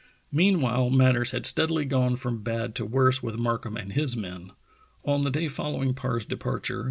Meanwhile matters had steadily gone from bad to worse with Markham and his men. On the day follow ing Parr's departure.